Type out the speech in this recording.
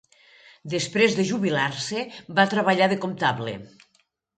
Després de jubilar-se, va treballar de comptable.